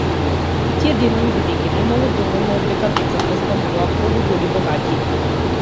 Тие денови, бидејќи немало доволно облека, децата остануваат полуголи, во гаќи.